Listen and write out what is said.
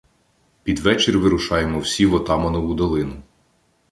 Під вечір вирушаємо всі в Отаманову долину.